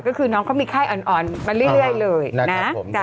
ก็คือน้องเขามีไข้อ่อนมาเรื่อยเลยนะ